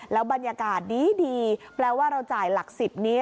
บรรยากาศดีแปลว่าเราจ่ายหลัก๑๐นี้